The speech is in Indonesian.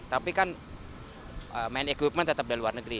tapi kan main equipment tetap dari luar negeri